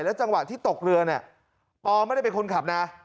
และจังหวะที่ตกเรือปอล์ไม่ได้เป็นคนขับนะ